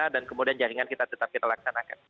dan kemudian jaringan kita tetap kita laksanakan